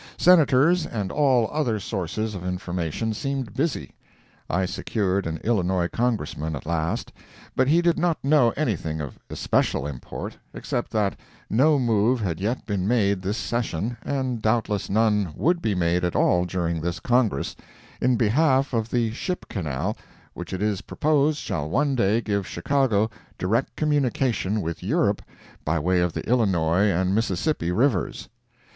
Senators and all other sources of information seemed busy. I secured an Illinois Congressman at last, but he did not know anything of especial import, except that no move had yet been made this session, and doubtless none would be made at all during this Congress, in behalf of the ship canal which it is proposed shall one day give Chicago direct communication with Europe by way of the Illinois and Mississippi rivers.